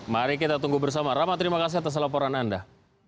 mari kita tunggu bersama rama terima kasih atas laporan anda